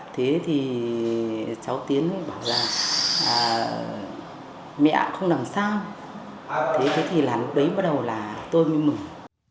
thế thì cháu tiến bảo là mẹ không làm sao thế thì là lúc đấy bắt đầu là tôi mới mừng